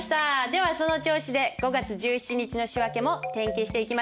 ではその調子で５月１７日の仕訳も転記していきましょう。